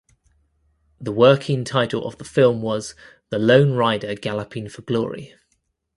The working title of the film was "The Lone Rider Galloping for Glory".